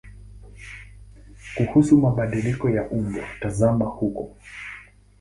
Kuhusu mabadiliko ya umbo tazama huko.